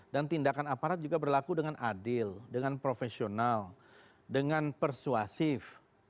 dan tindakan aparat juga berlaku dengan adil dengan profesional dengan persuasif